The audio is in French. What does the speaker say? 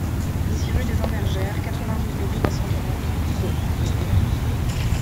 six rue des Imbergères, quatre-vingt-douze mille trois cent trente Sceaux